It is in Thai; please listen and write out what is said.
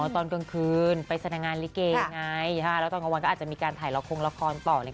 ตอนกลางคืนไปแสดงงานลิเกไงแล้วตอนกลางวันก็อาจจะมีการถ่ายละครงละครละครต่อเลย